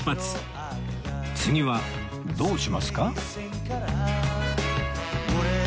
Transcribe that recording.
次はどうしますか？